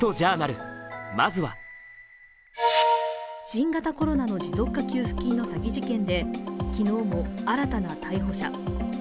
新型コロナの持続化給付金の詐欺事件で昨日も新たな逮捕者。